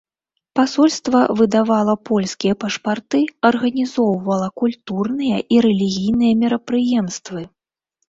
Пасольства выдавала польскія пашпарты, арганізоўвала культурныя і рэлігійныя мерапрыемствы.